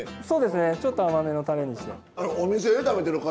そうですねちょっと甘めのたれにして。